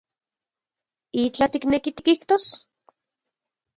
¿Itlaj tikneki tikijtos?